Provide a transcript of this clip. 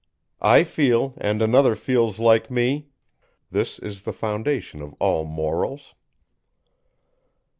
I feel, and another feels like me; this is the foundation of all morals.